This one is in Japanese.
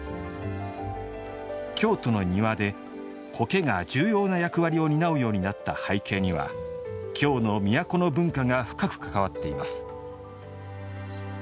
京都の庭で、苔が重要な役割を担うようになった背景には京の都の文化が深く関わっています。